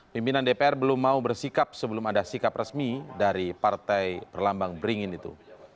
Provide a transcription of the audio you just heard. pimpinan dpr belum mau bersikap sebelum ada sikap resmi dari partai perlambang beringin itu